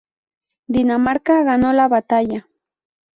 Dinamarca ganó la batalla.